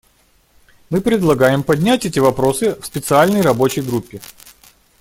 Мы предлагаем поднять эти вопросы в Специальной рабочей группе.